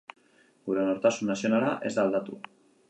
Gure nortasun nazionala ez da aldatu.